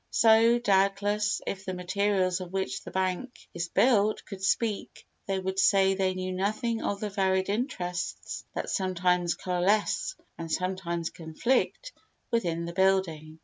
So, doubtless, if the materials of which the bank is built could speak, they would say they knew nothing of the varied interests that sometimes coalesce and sometimes conflict within the building.